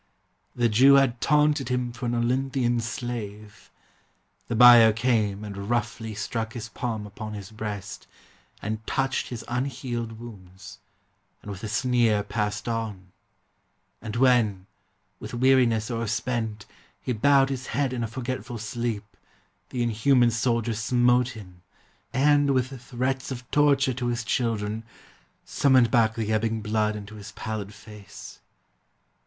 The Jew had taunted him For an Olynthian slave. The buyer came And roughly struck his palm upon his breast, And touched his unhealed wounds, and with a sneer Passed on; and when, with weariness o'erspent, He bowed his head in a forgetful sleep, The inhuman soldier smote him, and, with threats Of torture to his children, summoned back The ebbing blood into his pallid face.